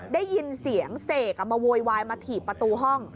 ได้ยินเสียงเสกมาโวยวายมาถีบประตูห้อง